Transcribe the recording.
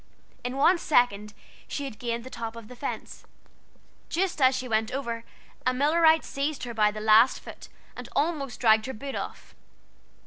In one second she had gained the top of the fence. Just as she went over a Millerite seized her by the last foot, and almost dragged her boot off.